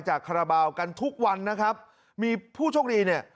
คาราบาลกันทุกวันนะครับมีผู้โชคดีเนี่ย